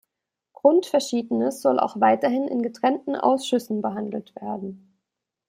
Grundverschiedenes soll auch weiterhin in getrennten Ausschüssen behandelt werden.